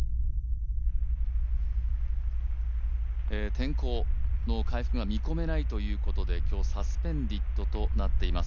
天候の回復が見込めないということで今日、サスペンデッドとなっています。